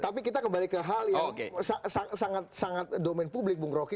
tapi kita kembali ke hal yang sangat sangat domen publik bung rocky